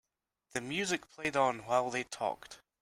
The music played on while they talked.